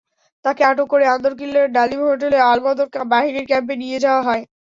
তাঁকে আটক করে আন্দরকিল্লার ডালিম হোটেলে আলবদর বাহিনীর ক্যাম্পে নিয়ে যাওয়া হয়।